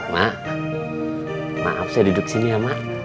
mak maaf saya duduk di sini ya mak